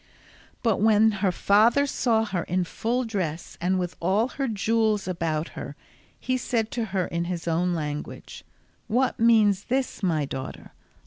But when her father saw her in full dress and with all her jewels about her, he said to her in his own language, "What means this, my daughter?